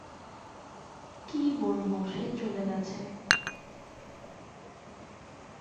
কি বলব, সে চলে গেছে।